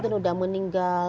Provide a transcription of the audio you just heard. mbak dia sudah meninggal